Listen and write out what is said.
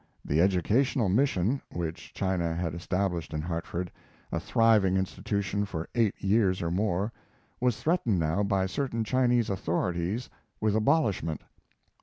The Educational Mission, which China had established in Hartford a thriving institution for eight years or more was threatened now by certain Chinese authorities with abolishment.